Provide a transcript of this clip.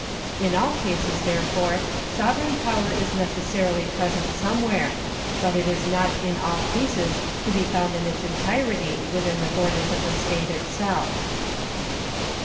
In all cases, therefore, sovereign 1 Supra, § 41. 467 468 APPENDIX II power is necessarily present somewhere, but it is not in a cases to be found in its entirety within the borders of the state itself.